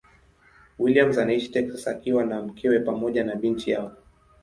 Williams anaishi Texas akiwa na mkewe pamoja na binti yao.